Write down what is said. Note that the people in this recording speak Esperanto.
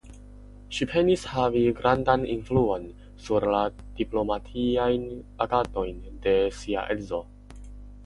Ŝi penis havi grandan influon sur la diplomatiajn agadojn de sia edzo.